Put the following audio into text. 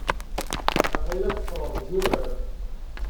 Aql-iyi la xeṣṣreɣ deg wurar.